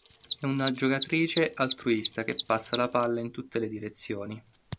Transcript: È una giocatrice altruista che passa la palla in tutte le direzioni.